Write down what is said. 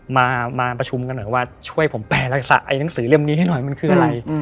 มาประชุมกันหน่อยว่าช่วยผมแปลรักษาไอ้หนังสือเล่มนี้ให้หน่อยมันคืออะไร